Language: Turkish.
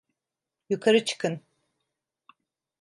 Yukarı çıkın!